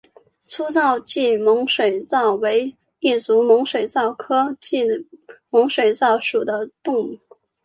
粗糙棘猛水蚤为异足猛水蚤科棘猛水蚤属的动物。